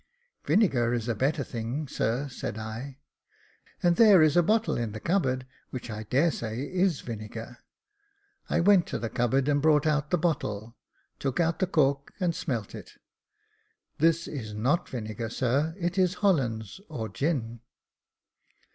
" Vinegar is a better thing, sir," said I, "and there is a bottle in the cupboard, which I dare say is vinegar." I went to the cupboard, and brought out the bottle, took out the cork and smelt it. "This is not vinegar, sir, it is Hollands or gin."